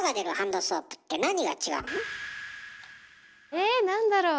え何だろう？